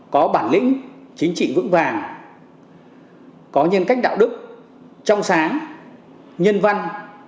có bản lĩnh chính trị vững vàng có nhân cách đạo đức trong sáng nhân văn